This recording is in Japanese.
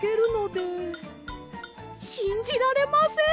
しんじられません！